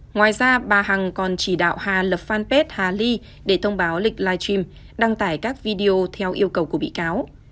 ngoài ra bà hằng còn chỉ đạo hà lập fanpage hà ly để thông báo lịch live stream đăng tải các video theo yêu cầu của bị cáo